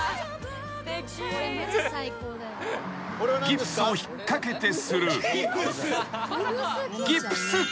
［ギプスを引っ掛けてする］